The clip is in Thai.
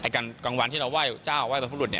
กลางวันที่เราไหว้เจ้าไหว้บรรพบุรุษ